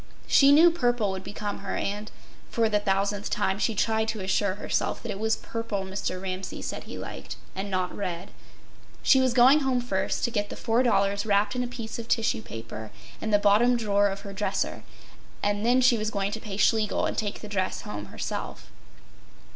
She knew purple would become her, and—for the thousandth time she tried to assure herself that it was purple Mr. Ramsay said he liked and not red. She was going home first to get the $4 wrapped in a piece of tissue paper in the bottom drawer of her dresser, and then she was going to pay Schlegel and take the dress home herself.